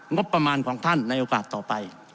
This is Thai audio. งบประมาณของท่านในโอกาสต่อไป